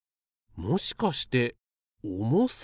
もしかして重さ？